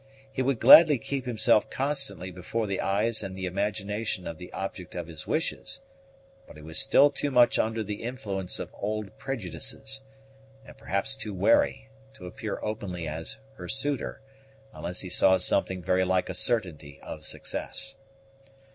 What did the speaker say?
He would gladly keep himself constantly before the eyes and the imagination of the object of his wishes; but he was still too much under the influence of old prejudices, and perhaps too wary, to appear openly as her suitor, unless he saw something very like a certainty of success.